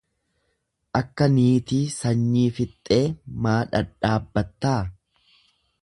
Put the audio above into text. Akka niitii sanyii fixxee maa dhadhaabbattaa?.